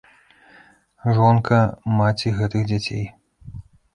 Жонка, маці гэтых дзяцей!